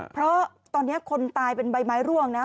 เพราะตอนนี้คนตายเป็นใบไม้ร่วงนะ